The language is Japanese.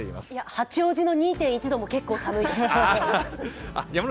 八王子の２．１度も結構寒いです。